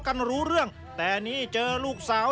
สุดท้ายของพ่อต้องรักมากกว่านี้ครับ